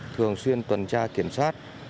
thường xuyên tuần tra kiểm soát